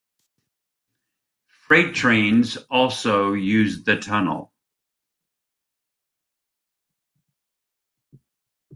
Freight trains also use the tunnel.